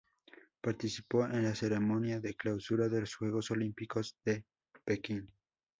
Participó en la ceremonia de clausura de los Juegos Olímpicos de Pekín.